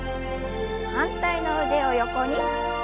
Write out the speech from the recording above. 反対の腕を横に。